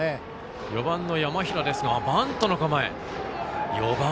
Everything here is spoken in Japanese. ４番の山平はバントの構え。